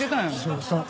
そうそう。